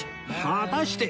果たして？